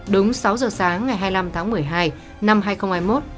đúng sáu giờ sáng ngày hai mươi năm tháng một mươi hai năm hai nghìn hai mươi một